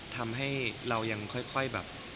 ทำให้เรายังค่อยแบบ